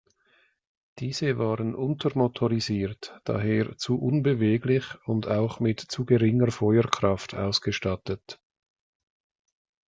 Diese waren untermotorisiert, daher zu unbeweglich und auch mit zu geringer Feuerkraft ausgestattet.